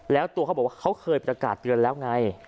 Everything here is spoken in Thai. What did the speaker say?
แล้วตัวเขาบอกว่าเขาเคยประกาศเตือนแล้วไง